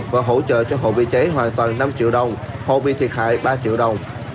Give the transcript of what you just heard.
và hỗ trợ cho hồ bị cháy hoàn toàn năm triệu đồng hồ bị thiệt hại ba triệu đồng